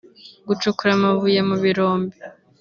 gucukura amabuye mu birombe